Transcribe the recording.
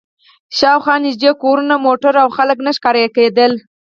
شا و خوا نږدې کورونه، موټر او خلک نه ښکارېدل.